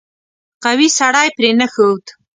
قوي سړی پرې نه ښود.